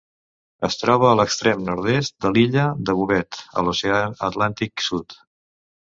Es troba a l'extrem nord-est de l'illa de Bouvet, a l'oceà Atlàntic Sud.